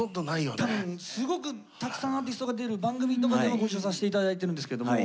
多分すごくたくさんアーティストが出る番組とかではご一緒させて頂いてるんですけども。